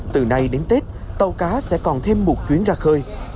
từ nay đến tết tàu cá sẽ còn thêm một chuyến ra khơi